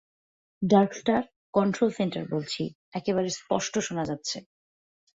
Darkstar, control centre বলছি, একেবারে স্পষ্ট শোনা যাচ্ছে।